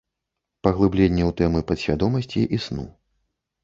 Паглыбленне ў тэмы падсвядомасці і сну.